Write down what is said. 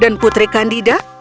dan putri candida